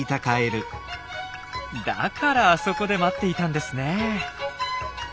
だからあそこで待っていたんですね。